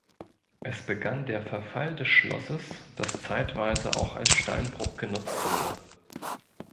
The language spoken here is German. Es begann der Verfall des Schlosses, das zeitweise auch als Steinbruch genutzt wurde.